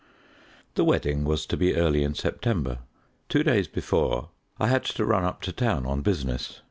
The wedding was to be early in September. Two days before I had to run up to town on business.